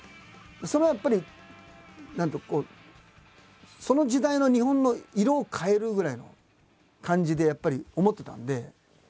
それはやっぱり何ていうかその時代の日本の色を変えるぐらいの感じでやっぱり思ってたんで。